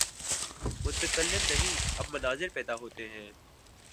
متکلم نہیں، اب مناظر پیدا ہوتے ہیں۔